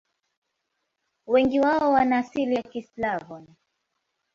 Wengi wao wana asili ya Kislavoni.